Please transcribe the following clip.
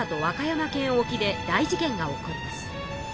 和歌山県おきで大事件が起こります。